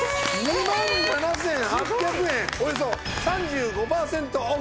およそ３５パーセントオフ。